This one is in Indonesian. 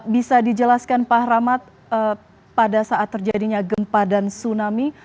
bisa dijelaskan pak rahmat pada saat terjadinya gempa dan tsunami